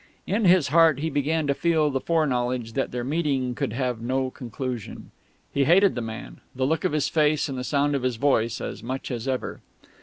In his heart he began to feel the foreknowledge that their meeting could have no conclusion. He hated the man, the look of his face and the sound of his voice, as much as ever.